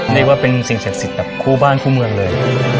เรียกว่าเป็นสิ่งศักดิ์สิทธิ์แบบคู่บ้านคู่เมืองเลย